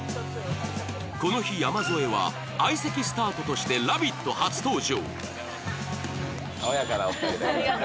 この日、山添は相席スタートとして「ラヴィット！」初登場。